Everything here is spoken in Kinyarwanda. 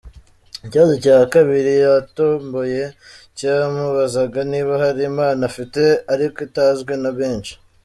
Ikibazo cya kabiri yatomboye cyamubazaga niba hari impano afite ariko itazwi na benshi.